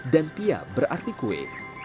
dan pia berarti kue